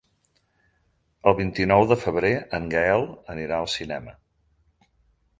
El vint-i-nou de febrer en Gaël anirà al cinema.